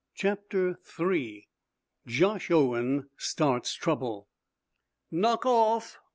CHAPTER III JOSH OWEN STARTS TROUBLE "Knock off!"